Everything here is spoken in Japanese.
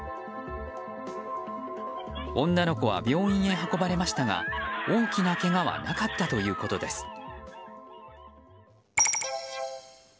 女の子は病院へ運ばれましたが大きなけがはなかったということです。